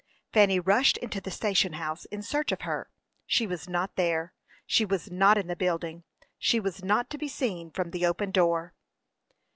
Fanny rushed into the station house in search of her. She was not there! she was not in the building; she was not to be seen from the open door.